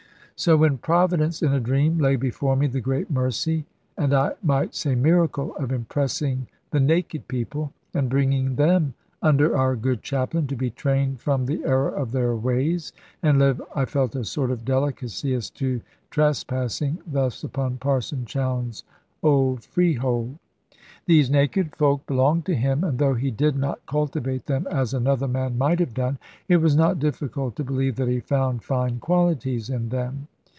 So when Providence, in a dream, laid before me the great mercy, and I might say miracle, of impressing the naked people, and bringing them under our good chaplain, to be trained from the error of their ways and live, I felt a sort of delicacy as to trespassing thus upon Parson Chowne's old freehold. These naked folk belonged to him, and though he did not cultivate them as another man might have done, it was not difficult to believe that he found fine qualities in them.